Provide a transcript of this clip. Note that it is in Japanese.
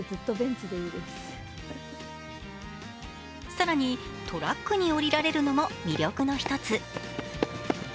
更にトラックに降りられるのも魅力の一つ。